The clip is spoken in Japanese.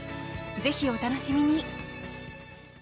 ぜひお楽しみに。